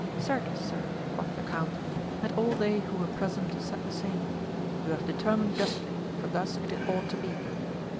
Certes $ir, quoth the • count, and all they who were present said the same, you have determined justly, for thus it ought to be.